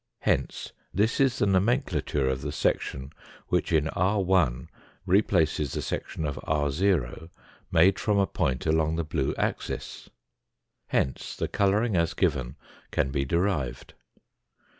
Hence this is the nomenclature of the section which in n replaces the section of r made from a point along the blue axis. Hence the colouring as given can be derived.